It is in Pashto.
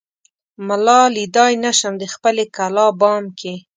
ملا ليدای نه شم دخپلې کلا بام کې